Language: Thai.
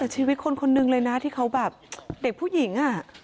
ชีวิตคนคนนึงเลยนะที่เขาแบบเด็กผู้หญิง